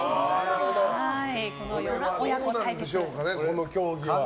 どうなんですかね、この競技は。